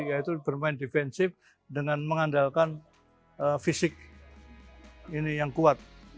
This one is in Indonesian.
yaitu bermain defensive dengan mengandalkan fisik yang kuat